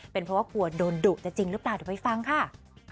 เป็นเพราะว่ากลัวโดนดุจะจริงหรือเปล่าเดี๋ยวไปฟังค่ะ